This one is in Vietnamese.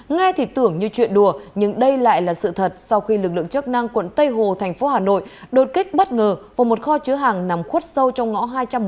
nghe thì tưởng như chuyện đùa nhưng đây lại là sự thật sau khi lực lượng chức năng quận tây hồ thành phố hà nội đột kích bất ngờ vào một kho chứa hàng nằm khuất sâu trong ngõ hai trăm một mươi bảy